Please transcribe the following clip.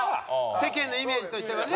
世間のイメージとしてはね。